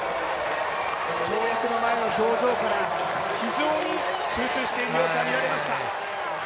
跳躍の前の表情から非常に集中している様子が見られました。